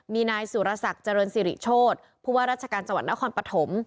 มีนายสุรศักดิ์เจริญสิริโชธผู้ว่าราชการจังหวัดนครปฐม